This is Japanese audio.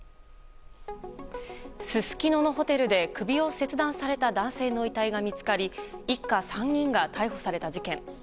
すすきののホテルで首を切断された男性の遺体が見つかり一家３人が逮捕された事件。